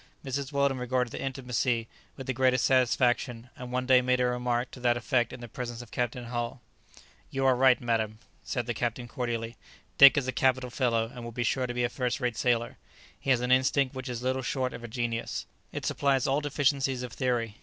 Mrs. Weldon regarded their intimacy with the greatest satisfaction, and one day made a remark to that effect in the presence of Captain Hull. [Illustration: "There you are, then, Master Jack!"] "You are right, madam," said the captain cordially; "Dick is a capital fellow, and will be sure to be a first rate sailor. He has an instinct which is little short of a genius; it supplies all deficiencies of theory.